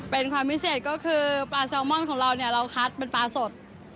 เป็นความพิเศษก็คือปลาแซลมอนของเราเนี่ยเราคัดเป็นปลาสด